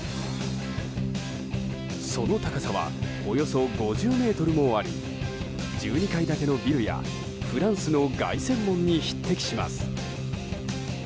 その高さはおよそ５０ｍもあり１２階建てのビルやフランスの凱旋門の匹敵します。